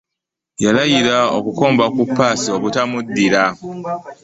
Yalayira okukomba ku ppaasi obutamuddira.